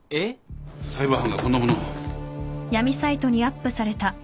サイバー犯がこんなものを。